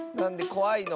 こわいの？